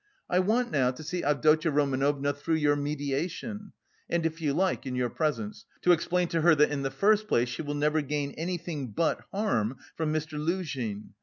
I want now to see Avdotya Romanovna through your mediation, and if you like in your presence, to explain to her that in the first place she will never gain anything but harm from Mr. Luzhin.